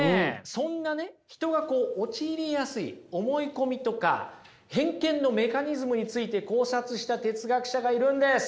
そんなね人が陥りやすい思い込みとか偏見のメカニズムについて考察した哲学者がいるんです。